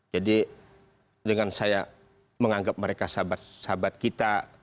jadi dengan saya menganggap mereka sahabat sahabat kita